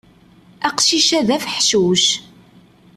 Aqcic-a d afeḥcuc.